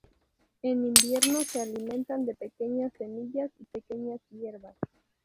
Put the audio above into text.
En invierno se alimentan de pequeñas semillas y pequeñas hierbas.